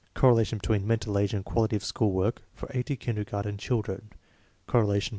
CORRELATION BETWEEN MENTAL AGE AND QUALITY OF SCHOOL WORK FOR 80 KINDERGARTEN CHILDREN (Correlation, .